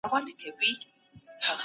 ایا مطالعه د انسان پر اړیکو ژور اغېز لري؟